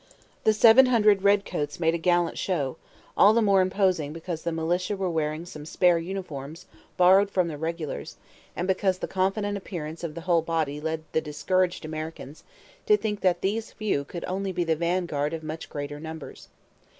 The seven hundred redcoats made a gallant show, all the more imposing because the militia were wearing some spare uniforms borrowed from the regulars and because the confident appearance of the whole body led the discouraged Americans to think that these few could only be the vanguard of much greater numbers.